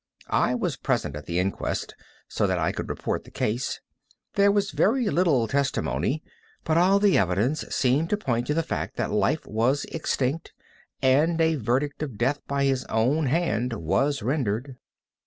I was present at the inquest, so that I could report the case. There was very little testimony, but all the evidence seemed to point to the fact that life was extinct, and a verdict of death by his own hand was rendered.